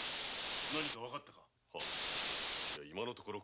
何か分かったか？